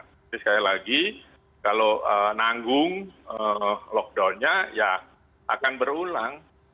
tapi sekali lagi kalau nanggung lockdownnya ya akan berulang